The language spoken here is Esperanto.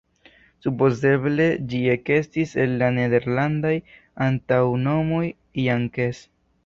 Supozeble ĝi ekestis el la nederlandaj antaŭnomoj "Jan-Kees".